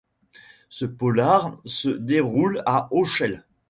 Ce polar se déroule à Auchel.